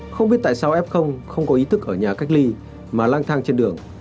không biết tại sao f không có ý thức ở nhà cách ly mà lang thang trên đường